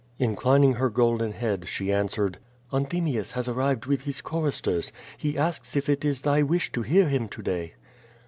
Inclining her golden head she answered: "Anthemius has arrived with his choristers; he asks if it is thy wish to hear him to day?"